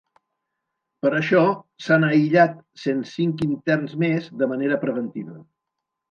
Per això, s’han aïllat cent cinc interns més de manera preventiva.